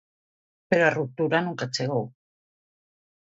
Pero a ruptura nunca chegou.